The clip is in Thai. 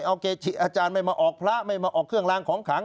เอาเกจิอาจารย์ไม่มาออกพระไม่มาออกเครื่องลางของขัง